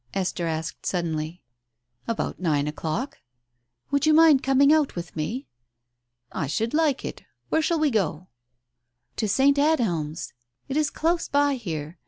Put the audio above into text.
" Esther asked suddenly. "About nine o'clock." "Would you mind coming out with me?" " I should like it. Where shall we go ?" "To St. Adhelm's ! It is close by here.